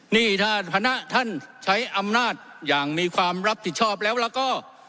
นี่ถ้าคณะท่านใช้อำนาจอย่างมีความรับผิดชอบแล้วแล้วก็